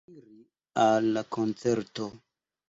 Iri al la koncerto.